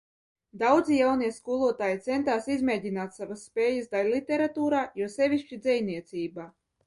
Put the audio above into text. Daudzi jaunie skolotāji centās izmēģināt savas spējas daiļliteratūrā, jo sevišķi dzejniecībā.